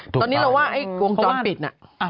ตอนนี้เราว่าไอ้วงจรปิดน่ะ